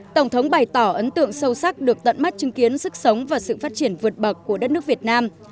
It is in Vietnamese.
tổng thống bày tỏ ấn tượng sâu sắc được tận mắt chứng kiến sức sống và sự phát triển vượt bậc của đất nước việt nam